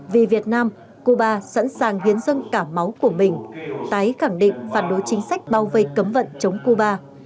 vì việt nam cuba sẵn sàng hiến dân cả máu của mình tái khẳng định phản đối chính sách bao vây cấm vận chống cuba